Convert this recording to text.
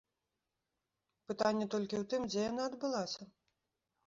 Пытанне толькі ў тым, дзе яна адбылася?